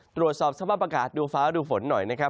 ตรวจสอบสภาพอากาศดูฟ้าดูฝนหน่อยนะครับ